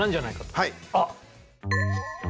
はい。